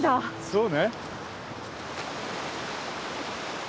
そうね。